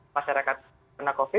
masyarakat kena covid